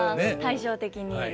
対照的に。